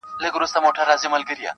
چي د عقل په میدان کي پهلوان وو -